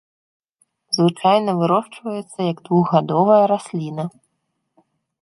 Звычайна вырошчваецца як двухгадовая расліна.